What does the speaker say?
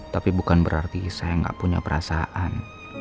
tapi bukan berarti saya gak punya perasaan